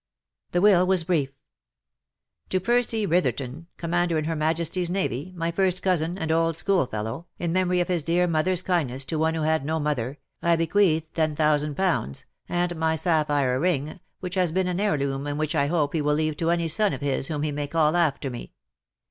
The will was brief. " To Percy Ritherdon, Commander in Her Majesty's Navy, my first cousin and old schoolfellow, in memory of his dear mother^s kindness to one who had no mother, I bequeath ten thousand pounds, and my sapphire ring, which has been an heirloom, and which 1 hope he will leave to any son of his whom he may call after me.